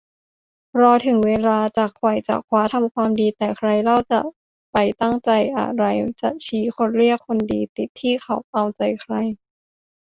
รอถึงเวลาจะไขว่จะคว้าทำความดี แต่ใครเล่าใครจะไปตั้งใจอะไรจะมาชี้ คนเรียกคนดี ติดที่เขาเอาใจใคร